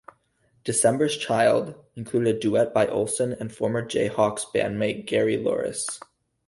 "December's Child" included a duet by Olson and former Jayhawks bandmate Gary Louris.